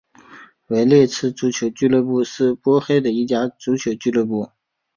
维列兹足球俱乐部是波黑的一家足球俱乐部。